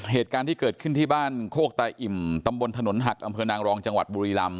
เหตุการณ์ที่เกิดขึ้นที่บ้านโคกตาอิ่มตำบลถนนหักอำเภอนางรองจังหวัดบุรีลำ